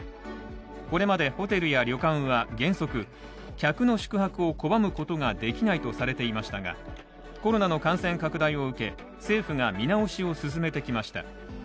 これまでホテルや旅館は原則、客の宿泊を拒むことができないとされていましたがコロナの感染拡大を受け、政府が見直しを進めてきました。